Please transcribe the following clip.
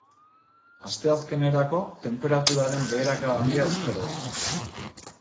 Asteazkenerako, tenperaturaren beherakada handia espero da.